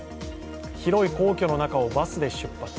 広い皇居の中をバスで出発。